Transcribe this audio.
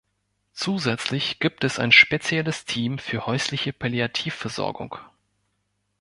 Zusätzlich gibt es ein spezielles Team für häusliche Palliativversorgung.